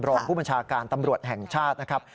รองผู้บัญชาการตำรวจแห่งชาตินะครับ